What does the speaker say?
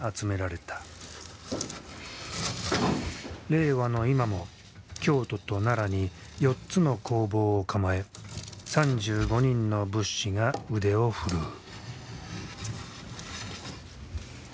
令和の今も京都と奈良に４つの工房を構え３５人の仏師が腕を振るう。